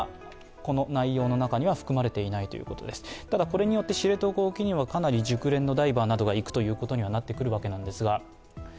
これによって知床沖にはかなり熟練のダイバーなどが行くということになってくるわけです。